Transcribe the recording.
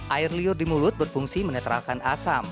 air liur di mulut berfungsi menetralkan asam